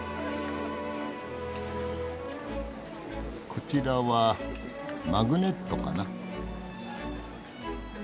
こちらはマグネットかな。